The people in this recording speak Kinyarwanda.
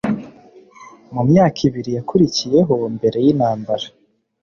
Mu myaka ibiri yakurikiyeho mbere yintambara